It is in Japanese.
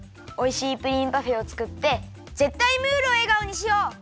おいしいプリンパフェをつくってぜったいムールをえがおにしよう！